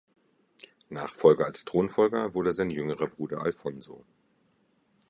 Nachfolger als Thronfolger wurde sein jüngerer Bruder Alphonso.